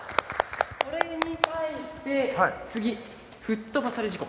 これに対して次、吹っ飛ばされ事故。